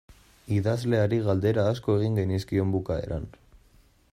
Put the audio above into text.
Idazleari galdera asko egin genizkion bukaeran.